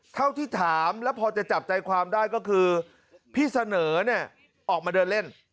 เท่าที่ถามแล้วพอจะจับใจความได้ก็คือพี่เสนอเนี่ยออกมาเดินเล่น